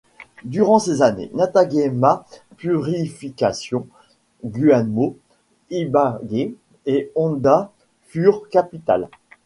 Durant ces années, Natagaima, Purificación, Guamo, Ibagué et Honda furent capitales.